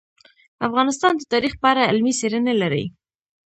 افغانستان د تاریخ په اړه علمي څېړنې لري.